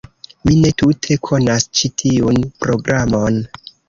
Mi ne tute konas ĉi tiun programon.